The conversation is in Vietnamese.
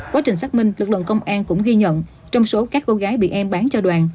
quá trình xác minh lực lượng công an cũng ghi nhận trong số các cô gái bị em bán cho đoàn